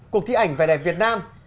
cuộc thi ảnh về đẹp việt nam